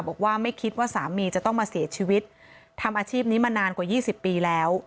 บอกว่าไม่คิดว่าสามีจะต้องมาเสียชีวิตทำอาชีพนี้มานานกว่า๒๐ปีแล้ว